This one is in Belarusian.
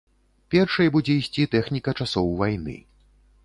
Першай будзе ісці тэхніка часоў вайны.